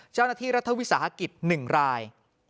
เจ้าหน้าที่รัฐวิสาหกิจ๑ราย